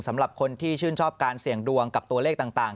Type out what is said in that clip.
สำหรับคนที่ชื่นชอบการเสี่ยงดวงกับตัวเลขต่าง